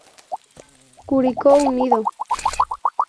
Curicó Unido.